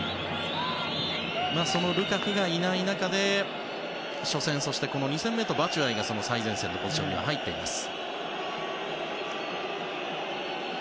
そのルカクがいない中で初戦、この２戦目とバチュアイが最前線のポジションに入っています。